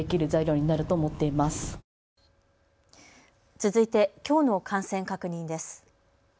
続いて、きょうの感染確認です。